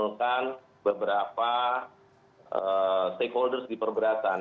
mengumumkan beberapa stakeholders di perbedasan